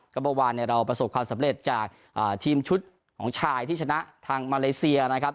ก็เมื่อวานเราประสบความสำเร็จจากทีมชุดของชายที่ชนะทางมาเลเซียนะครับ